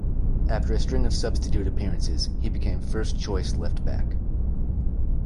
After a string of substitute appearances, he became first-choice left back.